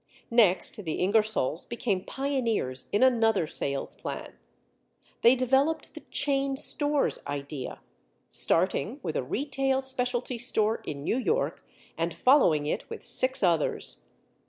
Next, the Ingersolls became pioneers in another sales plan. They developed the chain stores idea, starting with a retail specialty store in New York, and following it with six others.